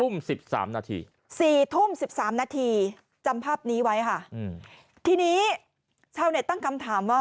๑๓นาที๔ทุ่ม๑๓นาทีจำภาพนี้ไว้ค่ะทีนี้ชาวเน็ตตั้งคำถามว่า